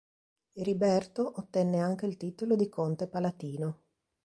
Eriberto ottenne anche il titolo di conte palatino.